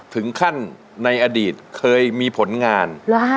ถึงขั้นในอดีตเคยมีผลงาน